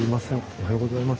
おはようございます。